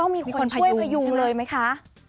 มีคนช่วยพยุงเลยไหมคะ